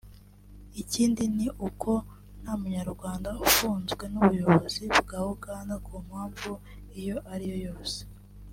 Ikindi ni uko nta Munyarwanda ufunzwe n’ubuyobozi bwa Uganda ku mpamvu iyo ari yo yose